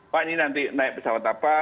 pak ini nanti naik pesawat apa